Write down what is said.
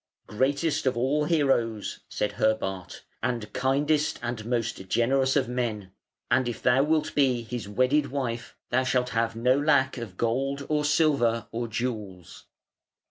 "Greatest of all heroes", said Herbart, "and kindest and most generous of men; and if thou wilt be his wedded wife thou shalt have no lack of gold or silver or jewels".